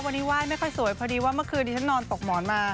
วันนี้ว่ายไม่ค่อยสวยเพราะดีว่าเมื่อคืนดิฉันนอนตกหมอนมา